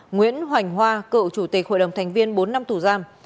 nguyễn hoành hoa cựu chủ tịch hội đồng thành viên bốn năm tù giam